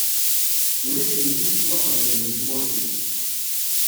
Ulac nnbi yettwaqeblen di tmurt-is.